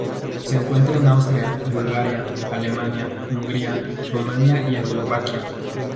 Se encuentra en Austria, Bulgaria, Alemania, Hungría Rumania y Eslovaquia.